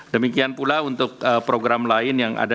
demikian pula untuk program lain yang ada